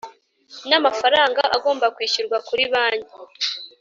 N amafaranga agomba kwishyurwa kuri banki